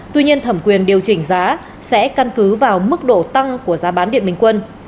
tuy nhiên thẩm quyền điều chỉnh giá sẽ căn cứ vào mức độ tăng của giá bán điện bình quân